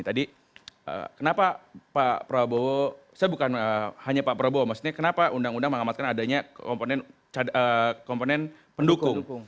tadi kenapa pak prabowo saya bukan hanya pak prabowo maksudnya kenapa undang undang mengamatkan adanya komponen pendukung